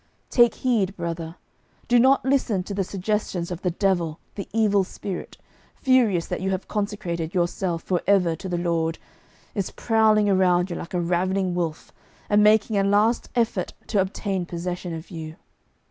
Take heed, brother do not listen to the suggestions of the devil The Evil Spirit, furious that you have consecrated yourself for ever to the Lord, is prowling around you like a ravening wolf and making a last effort to obtain possession of you.